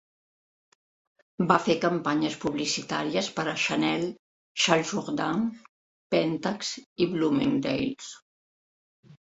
Va fer campanyes publicitàries per a Chanel, Charles Jourdan, Pentax i Bloomingdale's.